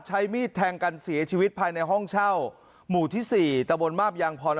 ใช้มีดแทงกันเสียชีวิตภายในห้องเช่าหมู่ที่๔ตะบนมาบยางพร